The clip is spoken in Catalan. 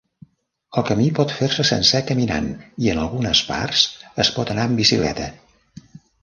El camí pot fer-se sencer caminant, i en algunes parts es pot anar amb bicicleta.